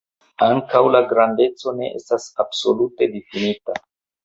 Ankaŭ la grandeco ne estas absolute difinita.